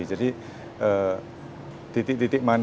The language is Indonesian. jadi titik titik menariknya